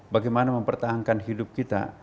bagaimana mempertahankan hidup kita